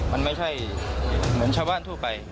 มันไม่ใช่เหมือนชาวบ้านทั่วไป